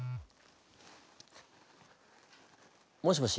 もしもし？